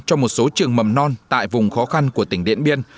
cho một số trường mầm non tại vùng khó khăn của tỉnh điện biên